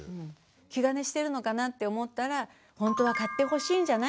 気兼ねしてるのかなって思ったらほんとは買ってほしいんじゃない？